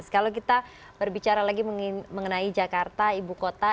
kalau kita berbicara lagi mengenai jakarta ibu kota